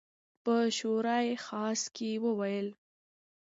په شورای خاص کې وویل.